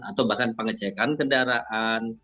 atau bahkan pengecekan kendaraan